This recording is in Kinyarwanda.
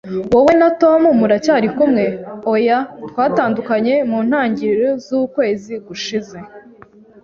"Wowe na Tom muracyari kumwe?" "Oya, twatandukanye mu ntangiriro z'ukwezi gushize."